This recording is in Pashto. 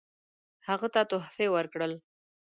هغه ته تحفې ورکړل.